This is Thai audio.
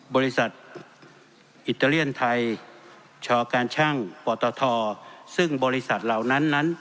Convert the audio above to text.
บริษัทอิตาเลียนไทยชการช่างปตทซึ่งบริษัทเหล่านั้นนั้น